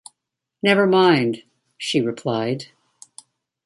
“Never mind,” she replied.